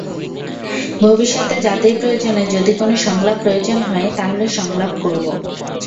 ভবিষ্যতে জাতির প্রয়োজনে যদি কোনো সংলাপ প্রয়োজন হয়, তাহলে সংলাপ করব।